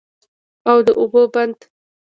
او د اوبو بند